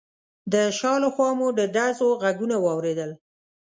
د شا له خوا مو د ډزو غږونه واورېدل.